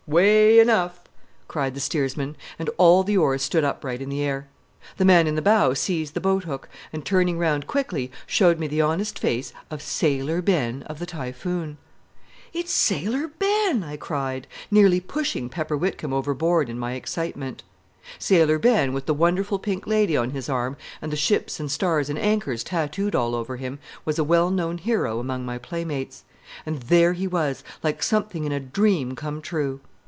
"Way enough!" cried the steersman, and all the oars stood upright in the air. The man in the bow seized the boat hook, and, turning round quickly, showed me the honest face of Sailor Ben of the Typhoon. "It's Sailor Ben!" I cried, nearly pushing Pepper Whitcomb overboard in my excitement. Sailor Ben, with the wonderful pink lady on his arm, and the ships and stars and anchors tattooed all over him, was a well known hero among my playmates. And there he was, like something in a dream come true!